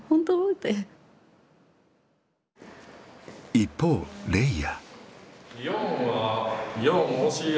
一方レイヤ。